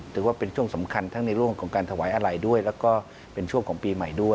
คือว่าเป็นช่วงสำคัญทั้งในโลกของการถวายอะไรรับทราบและเป็นช่วงของปีใหม่